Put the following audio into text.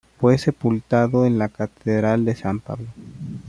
Fue sepultado en la catedral de San Pablo.